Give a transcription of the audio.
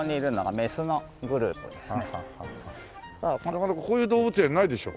なかなかこういう動物園ないでしょ？